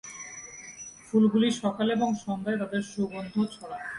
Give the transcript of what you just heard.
ফুলগুলি সকালে এবং সন্ধ্যায় তাদের সুগন্ধ ছড়ায়।